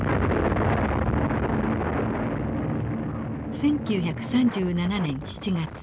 １９３７年７月。